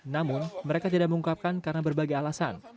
namun mereka tidak mengungkapkan karena berbagai alasan